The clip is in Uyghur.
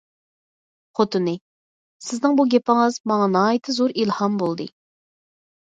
خوتۇنى:- سىزنىڭ بۇ گېپىڭىز ماڭا ناھايىتى زور ئىلھام بولدى.